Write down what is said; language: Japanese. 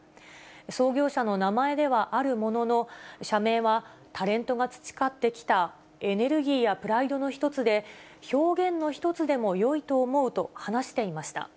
創業者の名前ではあるものの、社名はタレントが培ってきたエネルギーやプライドの一つで、表現の一つでもよいと思うと話していました。